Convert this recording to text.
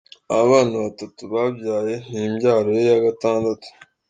Aba bana batatu yabyaye ni imbyaro ye ya gatandatu.